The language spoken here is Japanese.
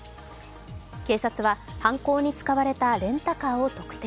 警察は犯行に使われたレンタカーを特定。